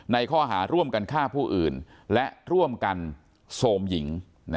ข้อหาร่วมกันฆ่าผู้อื่นและร่วมกันโซมหญิง